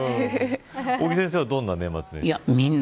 尾木先生は、どんな年末年始を。